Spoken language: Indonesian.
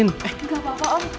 eh enggak papa